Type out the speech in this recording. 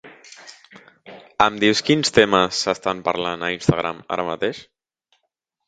Em dius quins temes s'estan parlant a Instagram ara mateix?